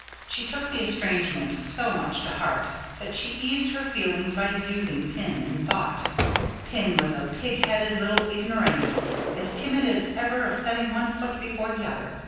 She took the estrangement so much to heart that she eased her feelings by abusing Pin in thought; Pin was a pig headed little ignoramus, as timid as ever of setting one foot before the other.